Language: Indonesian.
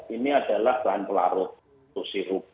ini adalah bahan pelarut untuk sirup